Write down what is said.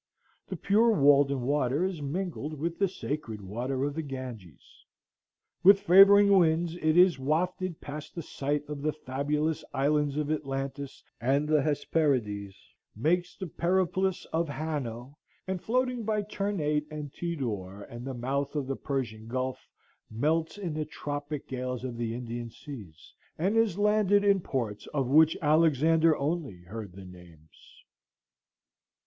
The pure Walden water is mingled with the sacred water of the Ganges. With favoring winds it is wafted past the site of the fabulous islands of Atlantis and the Hesperides, makes the periplus of Hanno, and, floating by Ternate and Tidore and the mouth of the Persian Gulf, melts in the tropic gales of the Indian seas, and is landed in ports of which Alexander only heard the names.